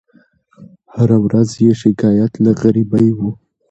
هره ورځ یې شکایت له غریبۍ وو